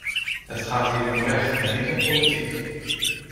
Het gaat hier om recht en niet om politiek.